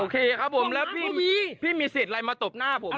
ครับผมแล้วพี่มีสิทธิ์อะไรมาตบหน้าผม